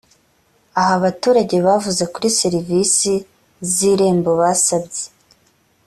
aha abaturage bavuze kuri serivisi z irembo basabye